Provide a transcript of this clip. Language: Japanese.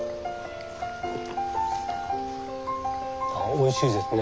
おいしいですね。